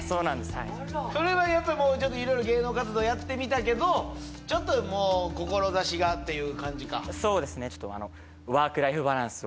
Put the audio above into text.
はいそれはやっぱりいろいろ芸能活動やってみたけどちょっともう志がっていう感じかそうですね